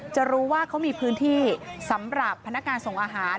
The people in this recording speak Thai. จะรู้ว่าเขามีพื้นที่สำหรับพนักงานส่งอาหาร